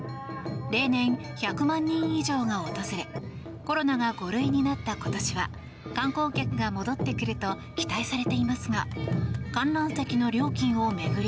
例年１００万人以上が訪れコロナが５類になった今年は観光客が戻ってくると期待されていますが観覧席の料金を巡り